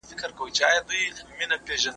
دا یوه کلاسیکه څیړنه وه.